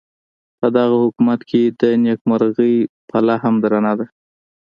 پدغه حکومت کې د نیکمرغۍ پله هم درنده ده.